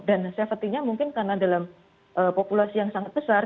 dan safetynya mungkin karena dalam populasi yang sangat besar